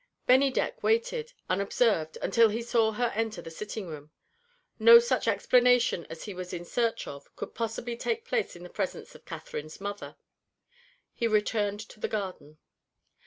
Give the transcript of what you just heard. Bennydeck waited, unobserved, until he saw her enter the sitting room. No such explanation as he was in search of could possibly take place in the presence of Catherine's mother. He returned to the garden.